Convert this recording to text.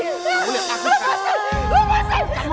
lepaskan aku dia cinta ku